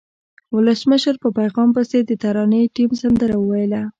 ولسمشر په پیغام پسې د ترانې ټیم سندره وویله.